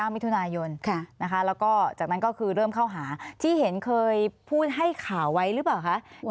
มิถุนายนแล้วก็จากนั้นก็คือเริ่มเข้าหาที่เห็นเคยพูดให้ข่าวไว้หรือเปล่าคะ